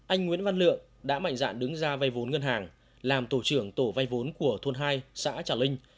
anh nguyễn văn lượng đã mạnh dạn đứng ra vây vốn ngân hàng làm tổ trưởng tổ vay vốn của thôn hai xã trà linh